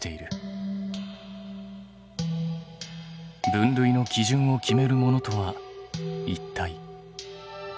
分類の基準を決めるものとはいったい。